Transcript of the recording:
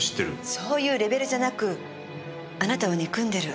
そういうレベルじゃなくあなたを憎んでる。